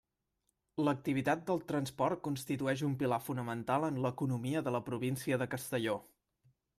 L'activitat del transport constitueix un pilar fonamental en l'economia de la província de Castelló.